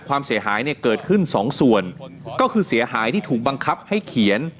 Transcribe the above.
ความเสียหายเนี่ยเกิดขึ้นสองส่วนก็คือเสียหายที่ถูกบังคับให้เขียน